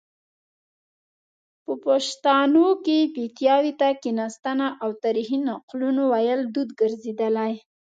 په پښتانو کې پیتاوي ته کیناستنه او تاریخي نقلونو ویل دود ګرځیدلی